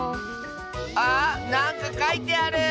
あなんかかいてある！